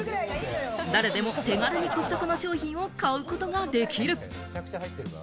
誰でも手軽にコストコの商品を買うことができる。